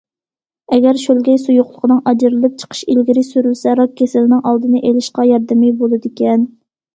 ئەگەر شۆلگەي سۇيۇقلۇقىنىڭ ئاجرىلىپ چىقىشى ئىلگىرى سۈرۈلسە، راك كېسىلىنىڭ ئالدىنى ئېلىشقا ياردىمى بولىدىكەن.